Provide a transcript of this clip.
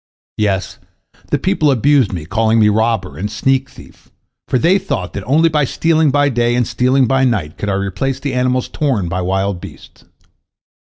Yes, the people abused me, calling me robber and sneak thief, for they thought that only by stealing by day and stealing by night could I replace the animals torn by wild beasts.